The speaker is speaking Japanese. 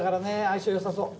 相性よさそう。